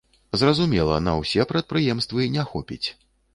Зразумела, на ўсе прадпрыемствы не хопіць.